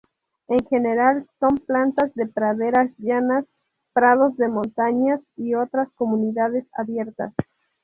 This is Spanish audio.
En general son plantas de praderas llanas, prados de montaña y otras comunidades abiertas.